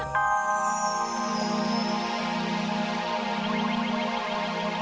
aku sudah selalu mencintai ibu